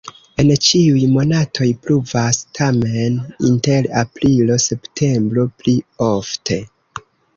En ĉiuj monatoj pluvas, tamen inter aprilo-septembro pli ofte.